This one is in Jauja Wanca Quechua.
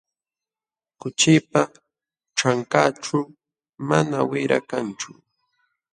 Kuchipa ćhankanćhu manam wira kanchu.